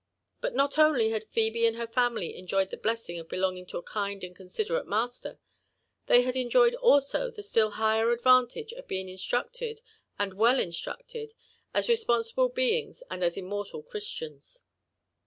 But not only had Phebe and her family enjoyed the blessing of belonging .to a kind and considerate master — they had enjoyed also the still higher advantage of being instructed, and well instructi^, as rasponsible beii^s and as immortal Christians.